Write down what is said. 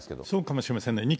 そうかもしれませんね。